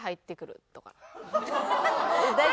大丈夫？